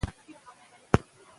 که نظم مات سي ستونزه راځي.